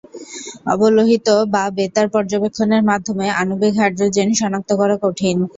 অবলোহিত বা বেতার পর্যবেক্ষণের মাধ্যমে আণবিক হাইড্রোজেন শনাক্ত করা কঠিন।